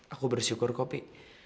aku bersyukur kok pi